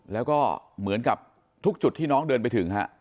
แล้วก็เหมือนกับทุกจุดที่น้องเดินไปถึงฮะ